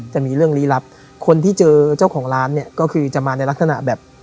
จะมีเรื่องลี้ลับคนที่เจอเจ้าของร้านเนี่ยก็คือจะมาในลักษณะแบบ